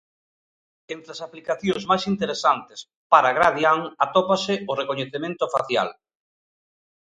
Entre as aplicacións máis interesantes para Gradiant atópase o recoñecemento facial.